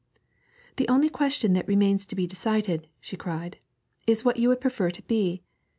'The only question that remains to be decided,' she cried, 'is what you would prefer to be.